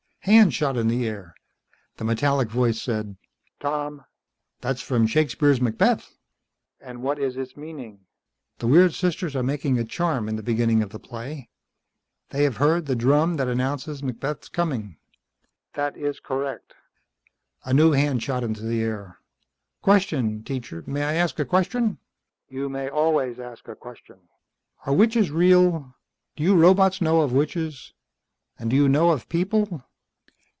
_" Hands shot into the air. The metallic voice said, "Tom?" "That's from Shakespeare's Macbeth." "And what is its meaning?" "The weird sisters are making a charm in the beginning of the play. They have heard the drum that announces Macbeth's coming." "That is correct." A new hand shot into the air. "Question, teacher. May I ask a question?" "You may always ask a question." "Are witches real? Do you robots know of witches? And do you know of people?